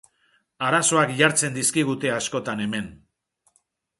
Arazoak jartzen dizkigute askotan hemen.